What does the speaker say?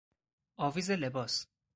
آویز لباس